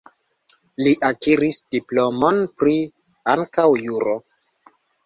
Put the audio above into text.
Li akiris diplomon pri ankaŭ juro.